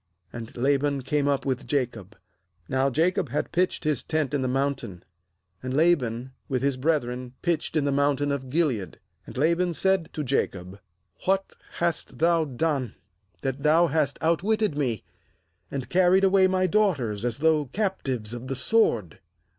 ^And Laban came up with Jacob. Now Jacob had pitched his tent in the mountain; and Laban with his brethren pitched in the mountain of Gilead. ^And Laban said to Jacob: 'What hast bhou done, that thou hast outwitted me, and carried away my daughters as though captives of the sword?